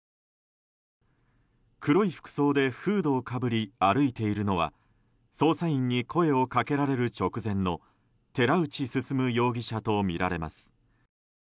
黒い服装でフードをかぶり歩いているのは捜査員に声を掛けられる直前の寺内進容疑者とみられます。